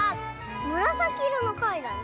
むらさきいろのかいだね。